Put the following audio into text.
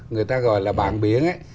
người ta gọi là bạn biển ấy